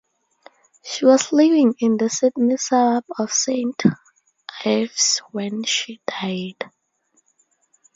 She was living in the Sydney suburb of Saint Ives when she died.